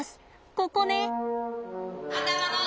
ここね！